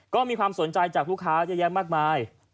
ก็มีความสนใจจากลูกค้าเยอะแยะมากมาย